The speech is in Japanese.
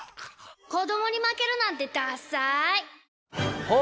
子供に負けるなんてダッサい。